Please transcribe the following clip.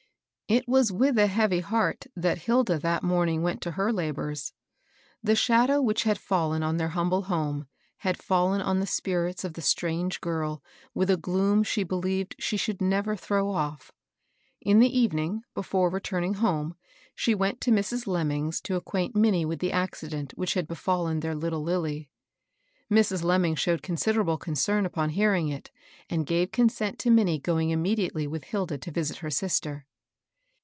It was with a heavy heart that Hilda that morning went to her labors. The shadow which had fallen on their humble home had fallen on the spirits of the strange girl with a gloom she be lieved she should never throw off. In the even ing, before returning home, she went to Mrs. Lem ming's to acquaint Minnie •widi the accident which had befallen their little Lilly. Mrs; Lemming showed considerable concern upon hearing it, and gave consent to Minnie going immediately with Hilda to visit her sister.